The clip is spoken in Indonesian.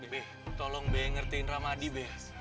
be tolong be ngertiin ramadi be